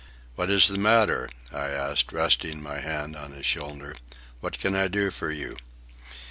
"What is the matter?" I asked, resting my hand on his shoulder. "What can I do for you?"